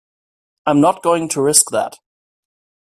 I'm not going to risk that!